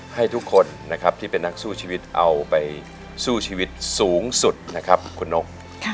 ให้ทุกคนนะครับที่เป็นนักสู้ชีวิตเอาไปสู้ชีวิตสูงสุดนะครับคุณนก